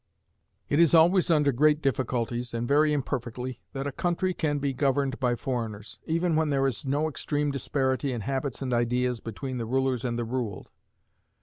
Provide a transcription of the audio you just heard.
It is always under great difficulties, and very imperfectly, that a country can be governed by foreigners, even when there is no extreme disparity in habits and ideas between the rulers and the ruled.